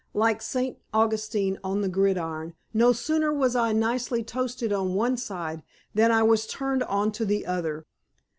Like St. Augustine on the gridiron, no sooner was I nicely toasted on one side than I was turned on to the other.